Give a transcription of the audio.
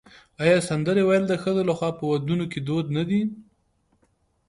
آیا سندرې ویل د ښځو لخوا په ودونو کې دود نه دی؟